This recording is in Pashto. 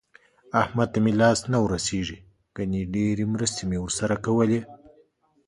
احمد ته مې لاس نه ورسېږي ګني ډېرې مرستې مې ورسره کولې.